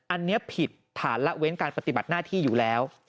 อันนี้ผิดฐานละเว้นการปฏิบัติหน้าที่อยู่แล้ว